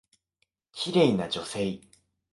綺麗な女性。